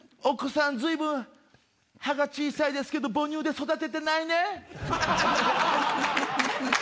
お子さん随分歯が小さいですけど母乳で育ててないね。